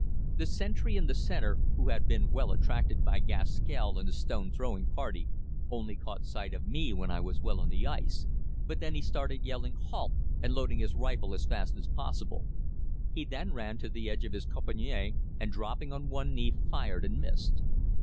The sentry in the center, who had been well attracted by Gaskell and the stone throwing party, only caught sight of me when I was well on the ice, but then he started yelling "Halt!" and loading his rifle as fast as possible. He then ran to the edge of his "caponnière" and dropping on one knee fired and missed.